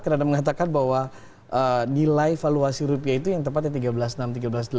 karena ada yang mengatakan bahwa nilai valuasi rupiah itu yang tepatnya tiga belas enam tiga belas delapan